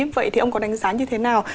vậy thì ông có đánh giá như thế nào